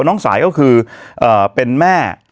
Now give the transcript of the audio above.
น้องสายก็คือเป็นแม่